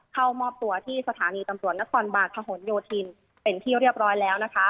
เข้ามอบตัวที่สถานีตำรวจนครบาลพะหนโยธินเป็นที่เรียบร้อยแล้วนะคะ